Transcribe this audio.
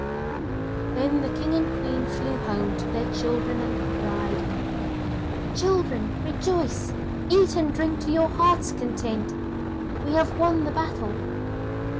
Then the King and Queen flew home to their children and cried: 'Children, rejoice, eat and drink to your heart's content, we have won the battle!